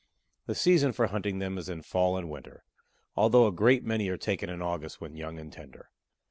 The season for hunting them is in fall and winter, although a great many are taken in August when young and tender.